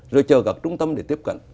rồi chờ các trung tâm để tiếp cận